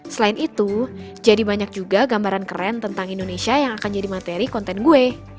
selain itu jadi banyak juga gambaran keren tentang indonesia yang akan jadi materi konten gue